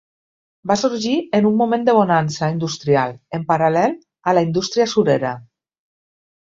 Va sorgir en un moment de bonança industrial, en paral·lel a la indústria surera.